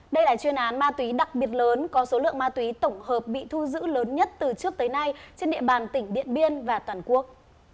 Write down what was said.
đây là chuyên án ma túy đặc biệt lớn có số lượng ma túy tổng hợp bị thu giữ lớn nhất từ trước tới nay trên địa bàn tỉnh điện biên và toàn quốc